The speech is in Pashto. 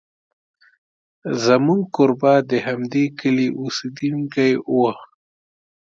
زموږ کوربه د همدې کلي اوسېدونکی و.